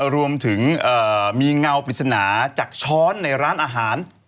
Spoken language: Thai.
รวมถึงมีเงาปริศนาจากช้อนในร้านอาหาร